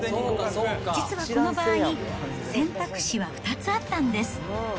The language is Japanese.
実はこの場合、選択肢は２つあったんです。